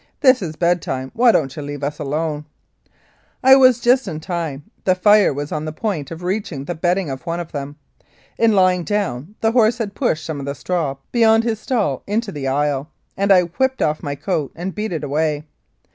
This is bedtime; why don't you leave us alone?" I was just in time ; the fire was on the point of reaching the bed ding of one of them. In lying down, the horse had pushed some of the straw beyond his stall into the aisle, and I whipped off my coat and beat it away.